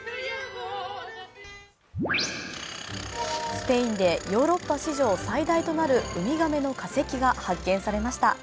スペインでヨーロッパ史上最大となるウミガメの化石が発見されました。